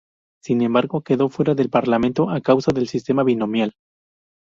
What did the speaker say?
Sin embargo, quedó fuera del Parlamento a causa del sistema binominal.